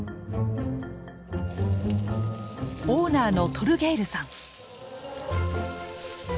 オーナーのトルゲイルさん。